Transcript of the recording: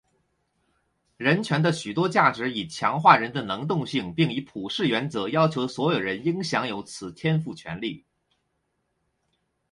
人权的许多价值以强化人的能动性并以普世原则要求所有人应享有此天赋权利。